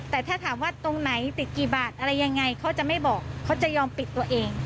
แต่ถ้าถามว่าตรงไหนติดกี่บาทอะไรยังไงเขาจะไม่บอกเขาจะยอมปิดตัวเอง